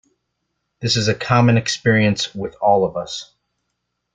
This is a common experience with all of us.